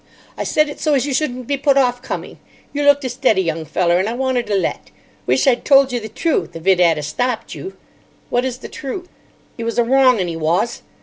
"I said it so as you shouldn't be put off coming. You looked a steady young feller, and I wanted a let. Wish I'd told you the truth, if it 'ad a stopped you." "What is the truth?" "'E was a wrong 'un, 'e wos.